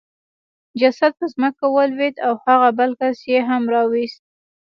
جسد په ځمکه ولوېد او هغه بل کس یې هم راوست